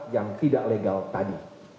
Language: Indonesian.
yang tidak legal tadi